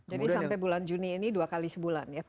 jadi sampai bulan juni ini dua kali sebulan ya